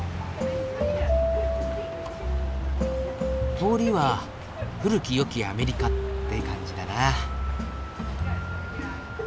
通りは古き良きアメリカって感じだな。